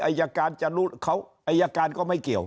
อายการจะรู้เขาอายการก็ไม่เกี่ยว